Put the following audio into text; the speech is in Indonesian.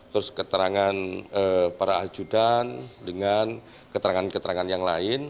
terus keterangan para ajudan dengan keterangan keterangan yang lain